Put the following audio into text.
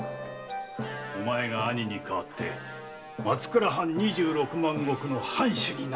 お前が兄に代わって松倉藩二十六万石の藩主になるのだ。